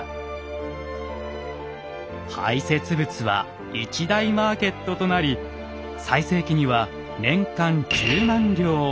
排せつ物は一大マーケットとなり最盛期には年間１０万両。